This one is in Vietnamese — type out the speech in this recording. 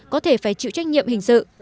có thể phải chịu trách nhiệm hình sự